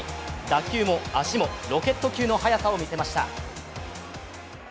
打球も足もロケット級の速さをみせました。